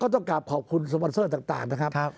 ต้องกลับขอบคุณสปอนเซอร์ต่างนะครับ